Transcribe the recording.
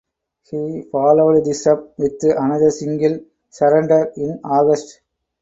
He followed this up with another single "Surrender" in August.